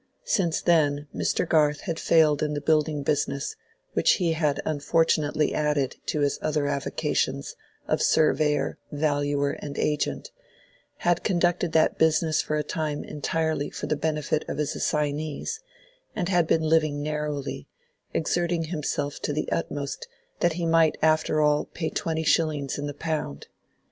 Since then Mr. Garth had failed in the building business, which he had unfortunately added to his other avocations of surveyor, valuer, and agent, had conducted that business for a time entirely for the benefit of his assignees, and had been living narrowly, exerting himself to the utmost that he might after all pay twenty shillings in the pound.